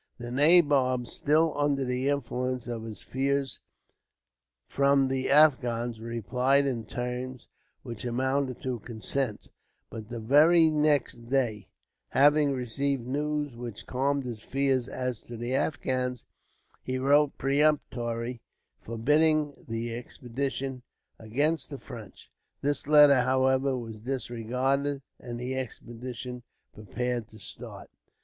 The nabob, still under the influence of his fears from the Afghans, replied in terms which amounted to consent, but the very next day, having received news which calmed his fears as to the Afghans, he wrote peremptorily, forbidding the expedition against the French. This letter, however, was disregarded, and the expedition prepared to start.